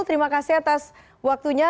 terima kasih atas waktunya